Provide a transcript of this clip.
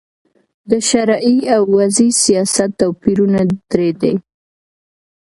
د شرعې او وضي سیاست توپیرونه درې دي.